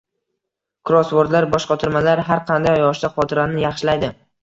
Krossvordlar, boshqotirmalar har qanday yoshda xotirani yaxshilaydi.